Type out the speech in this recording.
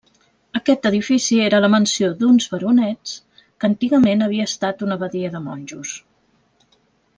Aquest edifici era la mansió d'uns baronets que antigament havia estat una abadia de monjos.